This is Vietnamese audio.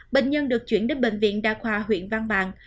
bệnh nhân được chuyển đến bệnh viện đa khoa huyện văn bàn